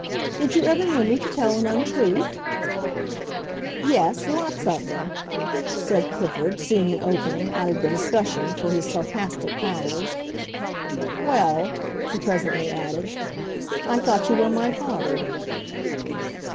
"Did you ever know me to tell an untruth?" "Yes, lots of them!" said Clifford, seeing an opening, out of the discussion, for his sarcastic powers. "Well," he presently added, "I thought you were my father."